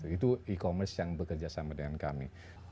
itu e commerce yang bekerja sama dengan kami